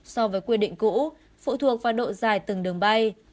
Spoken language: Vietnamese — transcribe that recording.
so với quy định cũ phụ thuộc vào độ dài từng đường bay